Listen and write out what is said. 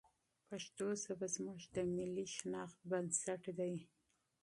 پښتو ژبه زموږ د ملي هویت بنسټ دی.